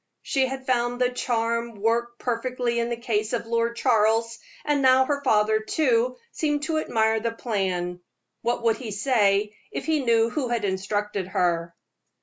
She had found the charm work perfectly in the case of Lord Charles, and now her father, too, seemed to admire the plan. What would he say if he knew who had instructed her?